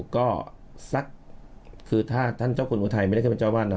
ก็สักคือถ้าท่านเจ้าคุณอุทัยไม่ได้ขึ้นเป็นเจ้าวาดนะ